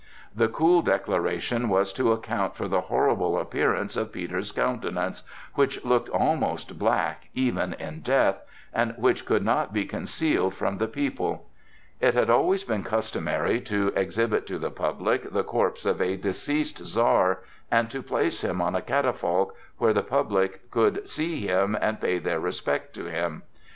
This cool declaration was to account for the horrible appearance of Peter's countenance, which looked almost black even in death, and which could not be concealed from the people. It had always been customary to exhibit to the public the corpse of a deceased Czar and to place him on a catafalque where the people could see him and pay their respect to him.